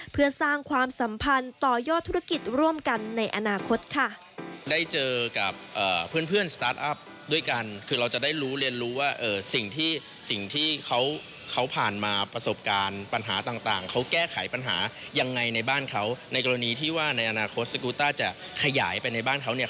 เพื่อสร้างความสัมพันธ์ต่อยอดธุรกิจร่วมกันในอนาคตค่ะ